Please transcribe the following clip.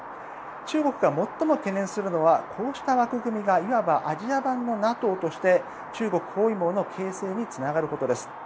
中国が最も懸念するのはこうした枠組みがいわばアジア版のＮＡＴＯとして中国包囲網の形成につながることです。